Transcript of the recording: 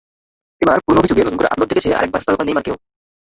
এবার পুরোনো অভিযোগে নতুন করে আদালত ডেকেছে আরেক বার্সা তারকা নেইমারকেও।